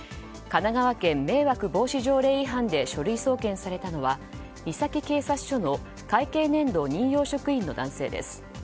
神奈川県迷惑防止条例違反で書類送検されたのは三崎警察署の会計年度任用職員の男性です。